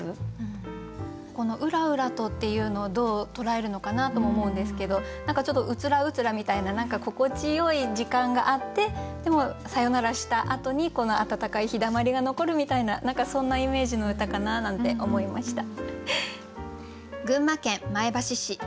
ここの「うらうらと」っていうのをどう捉えるのかなとも思うんですけど何かちょっとうつらうつらみたいな心地よい時間があってでもさよならしたあとにあたたかい日だまりが残るみたいな何かそんなイメージの歌かななんて思いました。